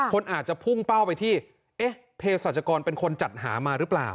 คนอาจจะพุ่งเป้าไปที่เอ๊ะเพศรัชกรเป็นคนจัดหามาหรือเปล่า